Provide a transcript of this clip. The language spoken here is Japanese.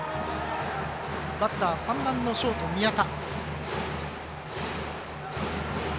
バッター、３番のショート宮田。